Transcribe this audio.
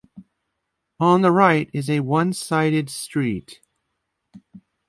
On the right is a one-sided street.